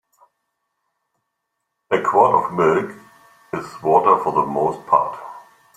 A quart of milk is water for the most part.